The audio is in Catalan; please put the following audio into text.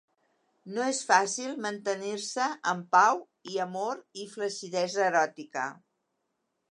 No és fàcil mantenir-se en pau i amor i flaccidesa eròtica.